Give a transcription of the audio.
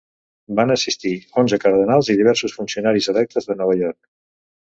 Van assistir onze cardenals i diversos funcionaris electes de Nova York.